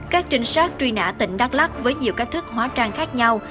các trinh sát truy nã tỉnh đắk lắc với nhiều cách thức hóa trang khác nhau